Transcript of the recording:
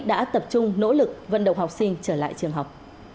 đã tập trung nỗ lực vận động học sinh trở lại trường học